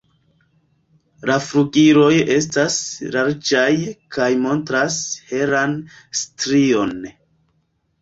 La flugiloj estas larĝaj kaj montras helan strion.